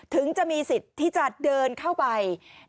ถึงจะมีสิทธิ์ที่จะเดินเข้าไป